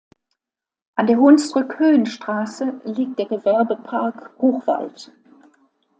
An der Hunsrückhöhenstraße liegt der Gewerbepark Hochwald.